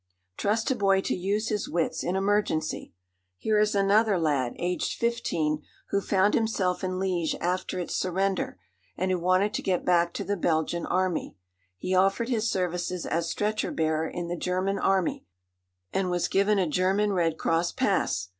Trust a boy to use his wits in emergency! Here is another lad, aged fifteen, who found himself in Liège after its surrender, and who wanted to get back to the Belgian Army. He offered his services as stretcher bearer in the German Army, and was given a German Red Cross pass.